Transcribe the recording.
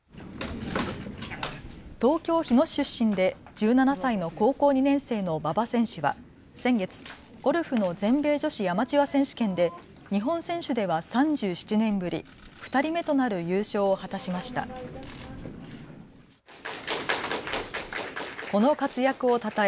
東京日野市出身で１７歳の高校２年生の馬場選手は先月、ゴルフの全米女子アマチュア選手権で日本選手では３７年ぶり、２人目となる優勝を果たしました。